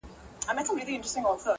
او سرغړونې لامل کېږي